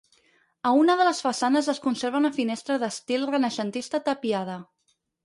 A una de les façanes es conserva una finestra d'estil renaixentista tapiada.